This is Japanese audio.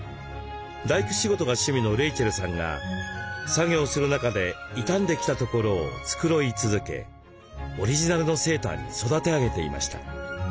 大工仕事が趣味のレイチェルさんが作業する中で傷んできたところを繕い続けオリジナルのセーターに育て上げていました。